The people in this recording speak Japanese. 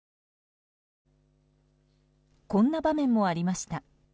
こんな場面もありました。